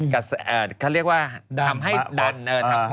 เขาเรียกว่าทำให้ดัน